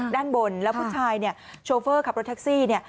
ด้านบนแล้วผู้ชายเนี่ยโชเฟอร์ขับรถแท็กซี่เนี่ย